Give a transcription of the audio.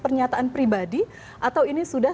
pernyataan pribadi atau ini sudah